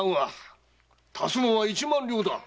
足すのは一万両だ。